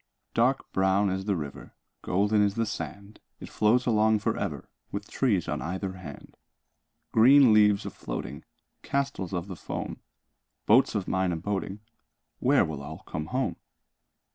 Dark brown is the river, Golden is the sand. It flows along for ever, With trees on either hand. Green leaves a floating, Castles of the foam, Boats of mine a boating— Where will all come home?